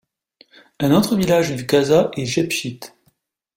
Un autre village du caza est Jebchit.